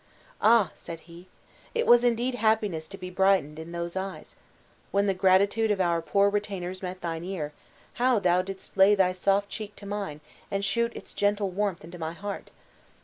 "Ah!" said he, "it was indeed happiness to be brightened in those eyes! When the gratitude of our poor retainers met thine ear, how didst thou lay thy soft cheek to mine, and shoot its gentle warmth into my heart!"